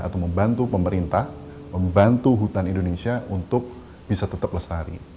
atau membantu pemerintah membantu hutan indonesia untuk bisa tetap lestari